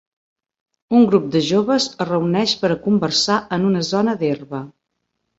Un grup de joves es reuneix per a conversar en una zona d'herba.